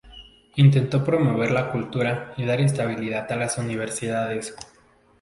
Intentó promover la cultura y dar estabilidad a las universidades.